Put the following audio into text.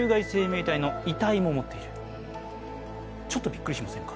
ちょっとびっくりしませんか？